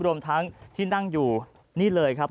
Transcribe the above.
รวมทั้งที่นั่งอยู่นี่เลยครับ